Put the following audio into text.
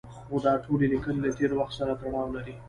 خو دا ټولې لیکنې له تېر وخت سره تړاو لري.